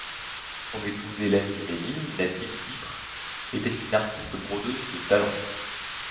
Son épouse Hélène du Ménil, native d'Ypres, était une artiste brodeuse de talent.